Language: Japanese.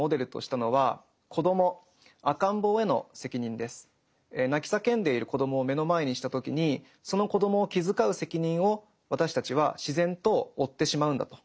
彼がそうした泣き叫んでいる子どもを目の前にした時にその子どもを気遣う責任を私たちは自然と負ってしまうんだと。